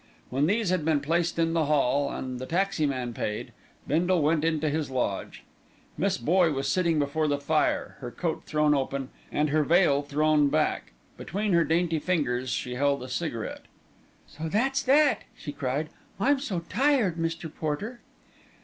When these had been placed in the hall, and the taxi man paid, Bindle went into his lodge. Miss Boye was sitting before the fire, her coat thrown open and her veil thrown back. Between her dainty fingers she held a cigarette. "So that's that!" she cried. "I'm so tired, Mr. Porter."